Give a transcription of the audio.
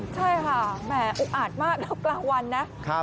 ใช่ค่ะแห่อุกอาจมากนะกลางวันนะ